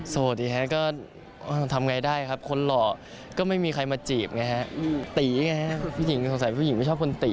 สวัสดีครับก็ทำไงได้ครับคนหล่อก็ไม่มีใครมาจีบไงฮะตีไงฮะผู้หญิงสงสัยผู้หญิงไม่ชอบคนตี